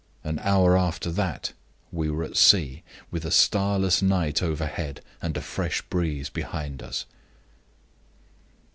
An hour after that we were at sea, with a starless night overhead, and a fresh breeze behind us.